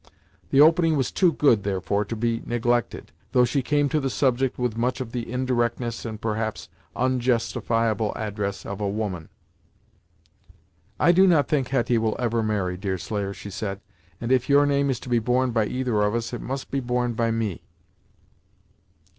The opening was too good, therefore, to be neglected, though she came to the subject with much of the indirectness and perhaps justifiable address of a woman. "I do not think Hetty will ever marry, Deerslayer," she said, "and if your name is to be borne by either of us, it must be borne by me."